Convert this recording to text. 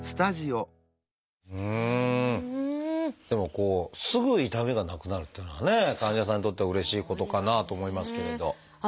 でもすぐ痛みがなくなるっていうのはね患者さんにとってはうれしいことかなと思いますけれど。